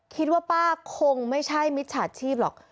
คิดว่าป้าคงไม่ใช่มิจฉาชีพหรอก